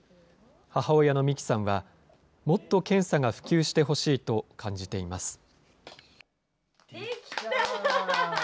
母親の美紀さんは、もっと検査が普及してほしいと感じています。